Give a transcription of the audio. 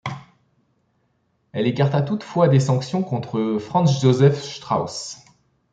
Elle écarta toutefois des sanctions contre Franz Josef Strauß.